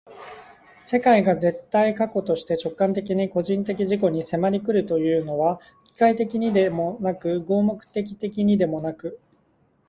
世界が絶対過去として直観的に個人的自己に迫り来るというのは、機械的にでもなく合目的的にでもなく、